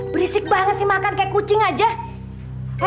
berisik banget makan seperti kucing saja